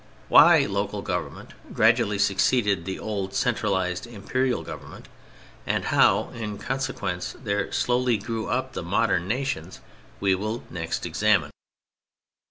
Why local government gradually succeeded the old centralized Imperial Government, and how, in consequence, there slowly grew up the modern nations, we will next examine.